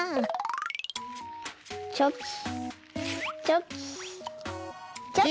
チョキチョキチョキ。